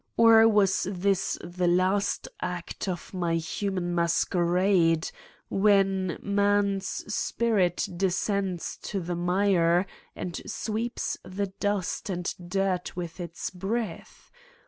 Or was this the last act of my human masquerade, when man's spirit descends to the mire and sweeps the dust and dirt with its 252 Satan's Diary breath?